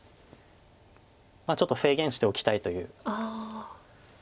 ちょっと制限しておきたいという。